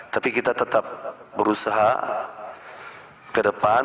tapi kita tetap berusaha ke depan